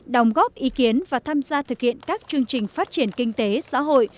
đồng góp ý kiến và tham gia thực hiện các chương trình phát triển kinh tế xã hội